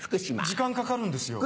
時間かかるんですよ。